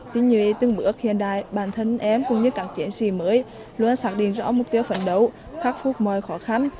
tuy nhiên từng bước hiện đại bản thân em cũng như các chiến sĩ mới luôn sẵn định rõ mục tiêu phấn đấu khắc phục mọi khó khăn